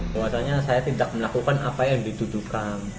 bahwasannya saya tidak melakukan apa yang dituduhkan